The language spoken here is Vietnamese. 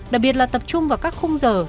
đặc biệt là tập trung vào các khung rộng